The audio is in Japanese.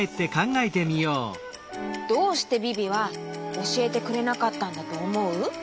どうしてビビはおしえてくれなかったんだとおもう？